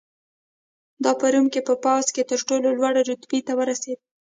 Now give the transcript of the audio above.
دا په روم په پوځ کې تر ټولو لوړې رتبې ته ورسېد